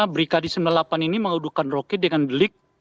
berikadi sembilan puluh delapan ini mengadukan rocky dengan belik